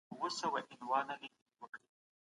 خپل مالونه په خپلو کي په ناحقه مه خورئ.